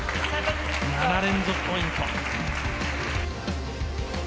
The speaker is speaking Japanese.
７連続ポイント。